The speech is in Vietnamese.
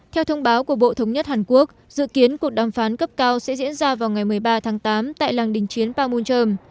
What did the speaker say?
theo thông báo của bộ thống nhất hàn quốc dự kiến cuộc đàm phán cấp cao sẽ diễn ra vào ngày một mươi ba tháng tám tại làng đình chiến pamunjom